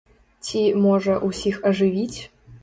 Ці, можа, усіх ажывіць?